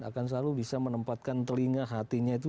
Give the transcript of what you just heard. akan selalu bisa menempatkan telinga hatinya itu